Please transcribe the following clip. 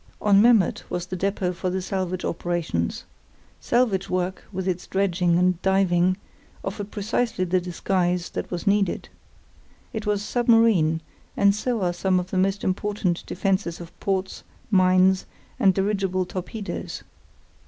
On Memmert was the depôt for the salvage operations. Salvage work, with its dredging and diving, offered precisely the disguise that was needed. It was submarine, and so are some of the most important defences of ports, mines, and dirigible torpedoes.